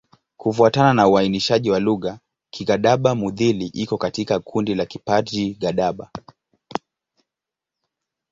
Kufuatana na uainishaji wa lugha, Kigadaba-Mudhili iko katika kundi la Kiparji-Gadaba.